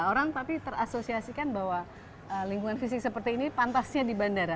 orang tapi terasosiasikan bahwa lingkungan fisik seperti ini pantasnya di bandara